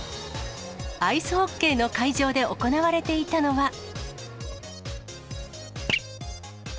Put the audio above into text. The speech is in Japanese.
アイスホッケーの会場で行われていたのは。